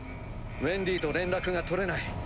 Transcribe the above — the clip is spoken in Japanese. ウェンディと連絡が取れない。